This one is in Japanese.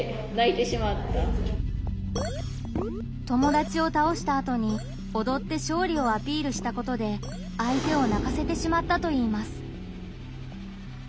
友達を倒したあとにおどって勝利をアピールしたことで相手を泣かせてしまったといいます。